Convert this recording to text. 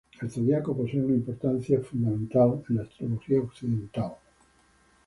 El zodiaco posee una importancia fundamental en la astrología occidental.